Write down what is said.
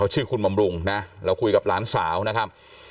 ชื่อคุณบำรุงนะเราคุยกับหลานสาวนะครับ